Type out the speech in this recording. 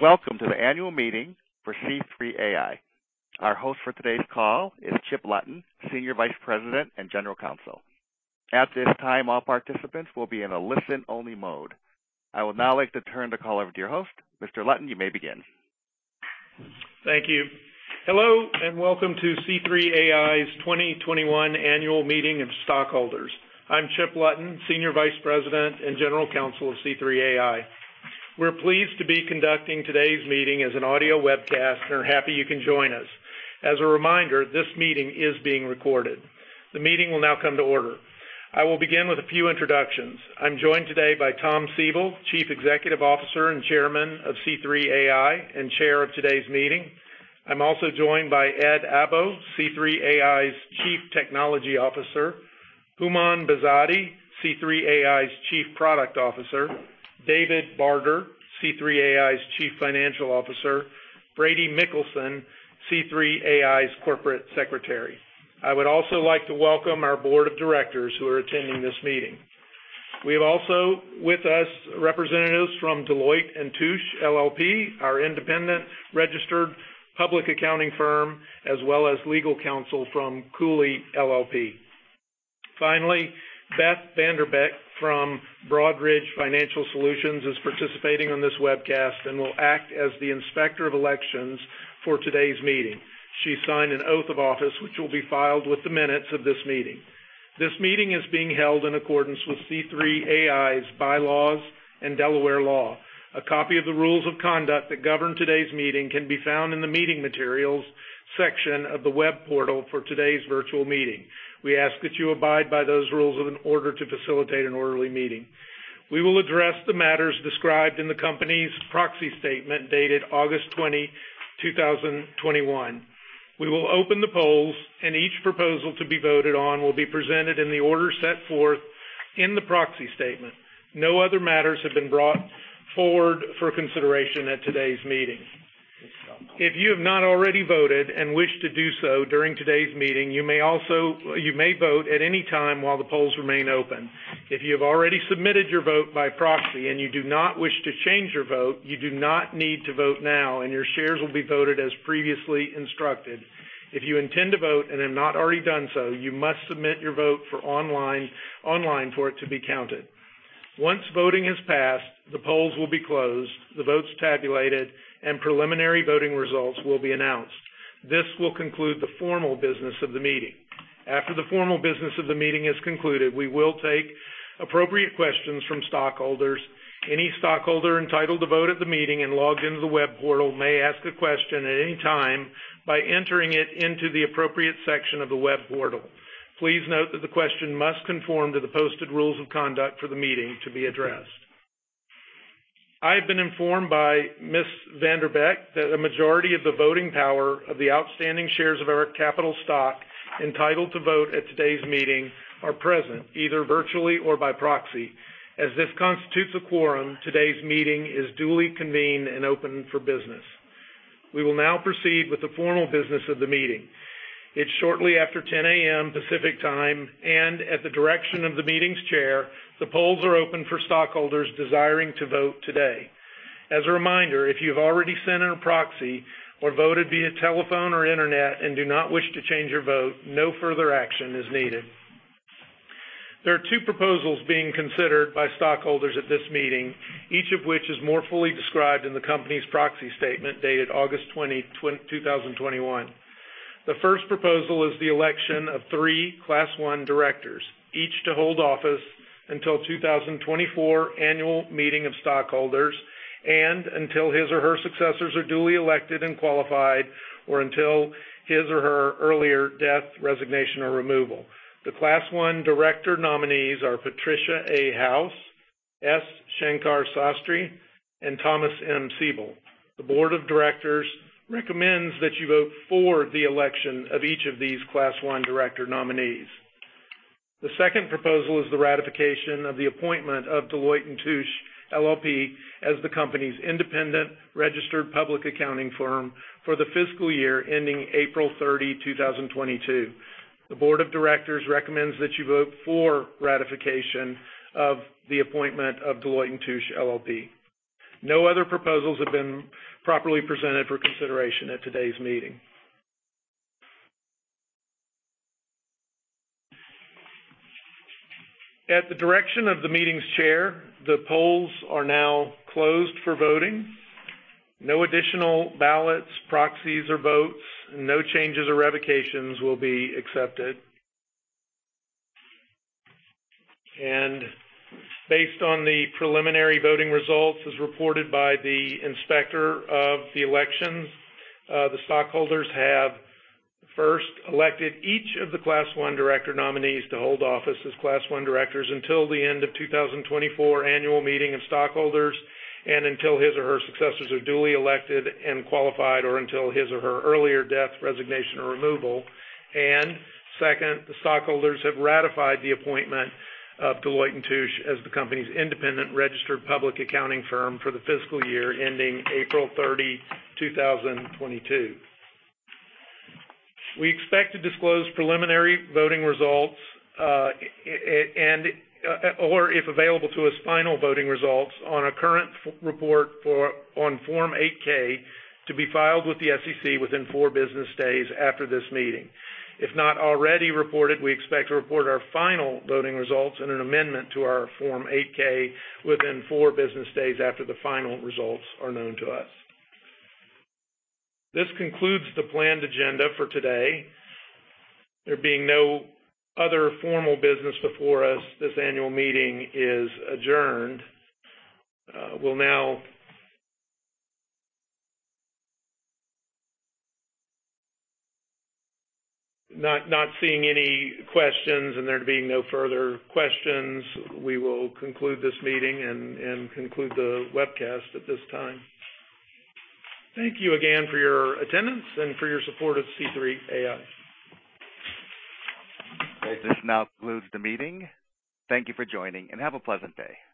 Welcome to the annual meeting for C3.ai. Our host for today's call is Chip Lutton, Senior Vice President and General Counsel. At this time, all participants will be in a listen-only mode. I would now like to turn the call over to your host. Mr. Lutton, you may begin. Thank you. Hello, welcome to C3.ai's 2021 annual meeting of stockholders. I'm Chip Lutton, Senior Vice President and General Counsel of C3.ai. We're pleased to be conducting today's meeting as an audio webcast and are happy you can join us. As a reminder, this meeting is being recorded. The meeting will now come to order. I will begin with a few introductions. I'm joined today by Thomas M. Siebel, Chief Executive Officer and Chairman of C3.ai, and chair of today's meeting. I'm also joined by Edward Abbo, C3.ai's Chief Technology Officer. Houman Behzadi, C3.ai's Chief Product Officer. David Barter, C3.ai's Chief Financial Officer. Brady M. Mickelsen, C3.ai's Corporate Secretary. I would also like to welcome our board of directors, who are attending this meeting. We have also with us representatives from Deloitte & Touche LLP, our independent registered public accounting firm, as well as legal counsel from Cooley LLP. Finally, Beth Vanderbeck from Broadridge Financial Solutions is participating on this webcast and will act as the Inspector of Elections for today's meeting. She signed an oath of office, which will be filed with the minutes of this meeting. This meeting is being held in accordance with C3.ai's bylaws and Delaware law. A copy of the rules of conduct that govern today's meeting can be found in the meeting materials section of the web portal for today's virtual meeting. We ask that you abide by those rules in order to facilitate an orderly meeting. We will address the matters described in the company's proxy statement dated August 20, 2021. We will open the polls, and each proposal to be voted on will be presented in the order set forth in the proxy statement. No other matters have been brought forward for consideration at today's meeting. If you have not already voted and wish to do so during today's meeting, you may vote at any time while the polls remain open. If you have already submitted your vote by proxy and you do not wish to change your vote, you do not need to vote now, and your shares will be voted as previously instructed. If you intend to vote and have not already done so, you must submit your vote online for it to be counted. Once voting has passed, the polls will be closed, the votes tabulated, and preliminary voting results will be announced. This will conclude the formal business of the meeting. After the formal business of the meeting is concluded, we will take appropriate questions from stockholders. Any stockholder entitled to vote at the meeting and logged into the web portal may ask a question at any time by entering it into the appropriate section of the web portal. Please note that the question must conform to the posted rules of conduct for the meeting to be addressed. I have been informed by Ms. VanDerbeck that a majority of the voting power of the outstanding shares of our capital stock entitled to vote at today's meeting are present, either virtually or by proxy. As this constitutes a quorum, today's meeting is duly convened and open for business. We will now proceed with the formal business of the meeting. It is shortly after 10:00 A.M. Pacific Time, and at the direction of the meeting's chair, the polls are open for stockholders desiring to vote today. As a reminder, if you have already sent in a proxy or voted via telephone or internet and do not wish to change your vote, no further action is needed. There are two proposals being considered by stockholders at this meeting, each of which is more fully described in the company's proxy statement dated August 20, 2021. The first proposal is the election of three Class I directors, each to hold office until 2024 annual meeting of stockholders and until his or her successors are duly elected and qualified, or until his or her earlier death, resignation, or removal. The Class I director nominees are Patricia A. House, S. Shankar Sastry, and Thomas M. Siebel. The board of directors recommends that you vote for the election of each of these Class I director nominees. The second proposal is the ratification of the appointment of Deloitte & Touche LLP as the company's independent registered public accounting firm for the fiscal year ending April 30, 2022. The board of directors recommends that you vote for ratification of the appointment of Deloitte & Touche LLP. No other proposals have been properly presented for consideration at today's meeting. At the direction of the meeting's chair, the polls are now closed for voting. No additional ballots, proxies, or votes, no changes or revocations will be accepted. Based on the preliminary voting results as reported by the Inspector of Election, the stockholders have, first, elected each of the Class I director nominees to hold office as Class I directors until the end of 2024 annual meeting of stockholders and until his or her successors are duly elected and qualified, or until his or her earlier death, resignation, or removal. Second, the stockholders have ratified the appointment of Deloitte & Touche as the company's independent registered public accounting firm for the fiscal year ending April 30, 2022. We expect to disclose preliminary voting results, or if available to us, final voting results, on a current report on Form 8-K to be filed with the SEC within four business days after this meeting. If not already reported, we expect to report our final voting results in an amendment to our Form 8-K within four business days after the final results are known to us. This concludes the planned agenda for today. There being no other formal business before us, this annual meeting is adjourned. Not seeing any questions and there being no further questions, we will conclude this meeting and conclude the webcast at this time. Thank you again for your attendance and for your support of C3.ai. This now concludes the meeting. Thank you for joining, and have a pleasant day.